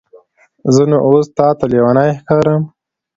زه نو اوس تاته لیونی ښکارم؟